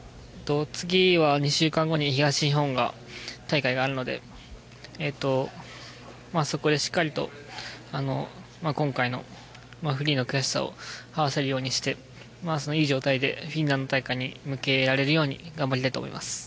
次は２週間後に東日本大会があるのでそこでしっかりと今回のフリーの悔しさを晴らせるようにしていい状態でフィンランド大会に向けられるように頑張りたいと思います。